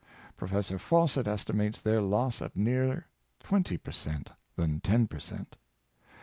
Professor Fawcett estimates their loss at nearer twenty per cent, than ten per cent.